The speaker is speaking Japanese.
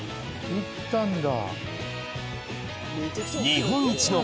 行ったんだ。